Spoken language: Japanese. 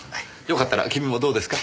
よかったら君もどうですか？